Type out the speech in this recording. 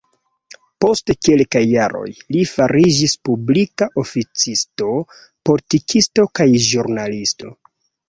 Post kelkaj jaroj, li fariĝis publika oficisto, politikisto kaj ĵurnalisto.